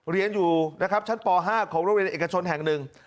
เรียนอยู่นะครับชั้นป๕ของโรงเรียนเอกชนแห่งหนึ่ง